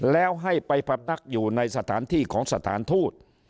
แล้วให้ไปพับนักอยู่ในสถานที่ของสถานทูต